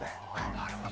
なるほど。